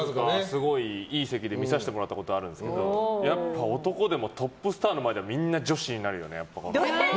すごいいい席で見させてもらったことあるんですけどやっぱ男でもトップスターの前ではみんな女子になるよね。